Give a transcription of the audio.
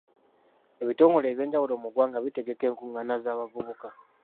Ebitongole eby'enjawulo mu ggwanga bitegeka enkungaana z'abavubuka.